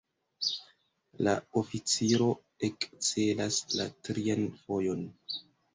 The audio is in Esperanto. La oficiro ekcelas la trian fojon.